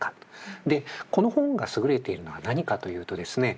でこの本が優れているのは何かというとですね